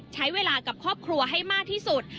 ใช้เวลากับครอบครัวให้มากที่สุด